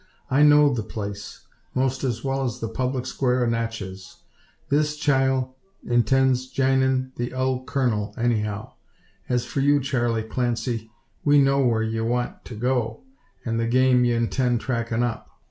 I know the place 'most as well as the public squar o' Natchez. This chile intends jeinin' the ole kurnel, anyhow. As for you, Charley Clancy, we know whar ye want to go, an' the game ye intend trackin' up.